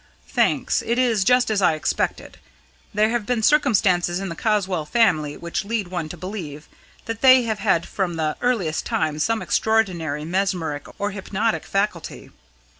"Thanks. It is just as I expected. There have been circumstances in the Caswall family which lead one to believe that they have had from the earliest times some extraordinary mesmeric or hypnotic faculty.